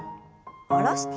下ろして。